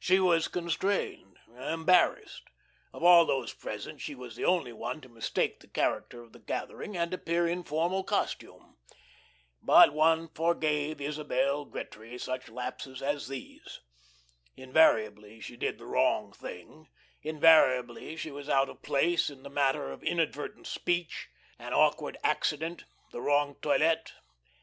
She was constrained, embarrassed. Of all those present she was the only one to mistake the character of the gathering and appear in formal costume. But one forgave Isabel Gretry such lapses as these. Invariably she did the wrong thing; invariably she was out of place in the matter of inadvertent speech, an awkward accident, the wrong toilet.